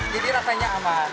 jadi rasanya aman